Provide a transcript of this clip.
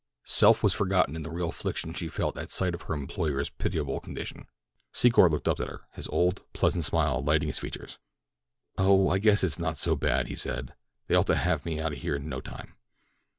Self was forgotten in the real affliction she felt at sight of her employer's pitiable condition. Secor looked up at her, his old, pleasant smile lighting his features. "Oh, I guess it's not so bad," he said. "They ought to have me out of here in no time."